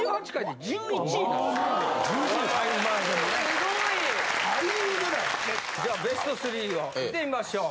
・すごい・さあじゃあベスト３を見てみましょう。